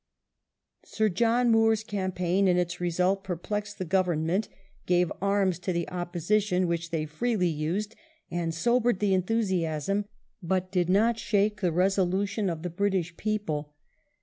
Sir John Moore's campaign and its result perplexed the Government, gave arms to the Opposition which they freely used, and sobered the enthusiasm but did not shake the resolution of the British people.